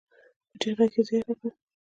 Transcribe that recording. په ټيټ غږ يې زياته کړه.